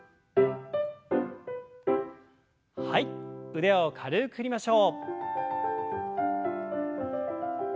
腕を軽く振りましょう。